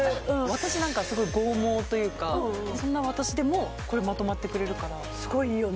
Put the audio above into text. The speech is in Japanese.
私なんかすごい剛毛というかそんな私でもこれまとまってくれるからすごいいいよね